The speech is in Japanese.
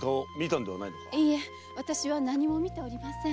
いいえ私は何も見ておりません。